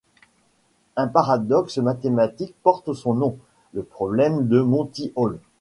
Un paradoxe mathématique porte son nom, le problème de Monty Hall.